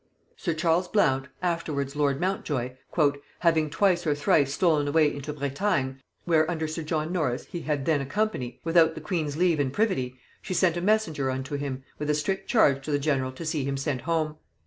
Sir Charles Blount, afterwards lord Montjoy, "having twice or thrice stolen away into Bretagne (where under sir John Norris he had then a company) without the queen's leave and privity, she sent a messenger unto him, with a strict charge to the general to see him sent home.